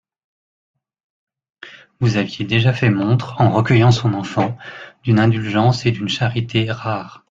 Vous aviez déjà fait montre, en recueillant son enfant, d'une indulgence et d'une charité rares.